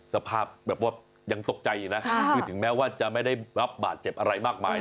สภาพแบบว่ายังตกใจอยู่นะคือถึงแม้ว่าจะไม่ได้รับบาดเจ็บอะไรมากมาย